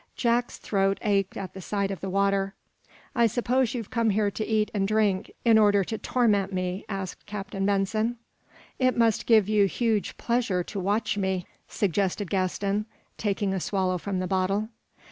Jack's throat ached at sight of the water. "I suppose you've come here to eat and drink, in order to torment me?" asked Captain Benson. "It must give you huge pleasure to watch me," suggested Gaston, taking a swallow from the bottle.